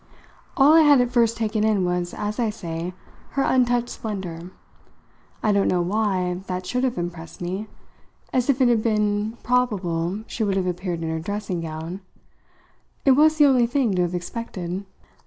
All I had at first taken in was, as I say, her untouched splendour; I don't know why that should have impressed me as if it had been probable she would have appeared in her dressing gown; it was the only thing to have expected.